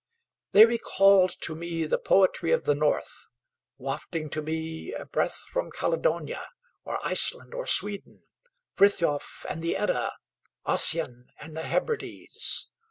They recalled to me the poetry of the North, wafting to me a breath from Caledonia or Iceland or Sweden, Frithjof and the Edda, Ossian and the Hebrides.